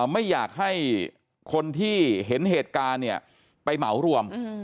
ไม่อยากให้คนที่เห็นเหตุการณ์เนี่ยไปเหมารวม